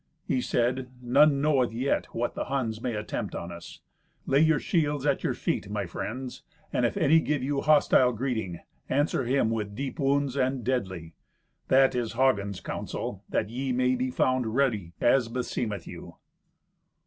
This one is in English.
He said, "None knoweth yet what the Huns may attempt on us. Lay your shields at your feet, my friends, and if any give you hostile greeting, answer him with deep wounds and deadly. That is Hagen's counsel, that ye may be found ready, as beseemeth you."